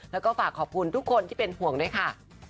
แล้วก็ฝากขอบคุณทุกคนที่เป็นห่วงด้วยค่ะ